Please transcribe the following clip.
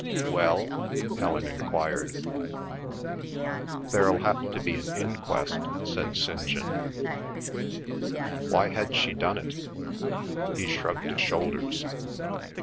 "Well?" Helen enquired. "There'll have to be an inquest," said St. John. Why had she done it? He shrugged his shoulders.